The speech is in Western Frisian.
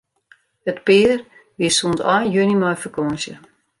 It pear wie sûnt ein juny mei fakânsje.